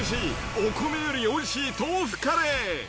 お米よりおいしい豆腐カレー。